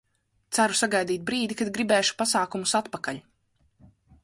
Ceru sagaidīt brīdi, kad gribēšu pasākumus atpakaļ.